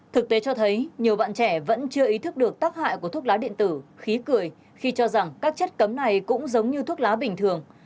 thực tế cho thấy nhiều bạn trẻ vẫn chưa ý thức được tác hại của thuốc lá điện tử khí cười khi cho rằng các chất cấm này cũng giống như thuốc lá bình thường